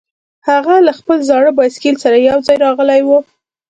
هغه له خپل زاړه بایسکل سره یوځای راغلی و